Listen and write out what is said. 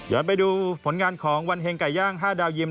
ไปดูผลงานของวันเฮงไก่ย่าง๕ดาวยิม